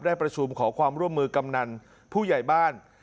ได้ประชุมขอความร่วมมือกำนันผู้ใหญ่บ้าน